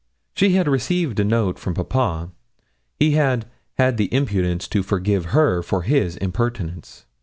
She had received a note from papa. He had 'had the impudence to forgive her for his impertinence.'